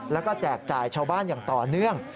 แล้วก็แจกจ่ายชาวบ้านอย่างต่อเนื่อง